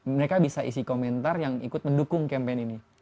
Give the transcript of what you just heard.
mereka bisa isi komentar yang ikut mendukung campaign ini